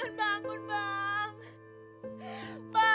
bang aku memang bangun bang